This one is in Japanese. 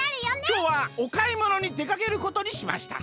「きょうはおかいものにでかけることにしました。